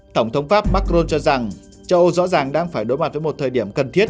tổng thống pháp macron cho rằng châu âu rõ ràng đang phải đối mặt với một thời điểm cần thiết